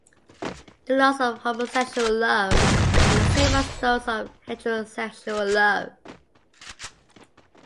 The laws of homosexual love are the same as those of heterosexual love.